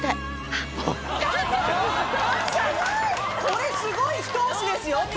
これすごいひと押しですよ！